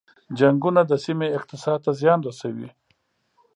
جنګونه د سیمې اقتصاد ته زیان رسوي.